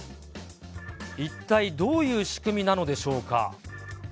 一体どういう仕組みなのでしょうか。